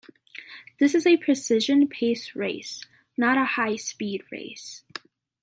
This is a precision pace race, not a high speed race.